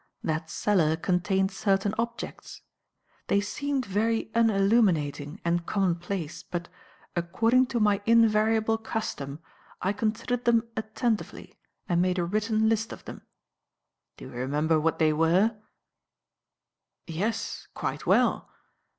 That cellar contained certain objects. They seemed very unilluminating and commonplace, but, according to my invariable custom, I considered them attentively and made a written list of them. Do you remember what they were?" "Yes, quite well.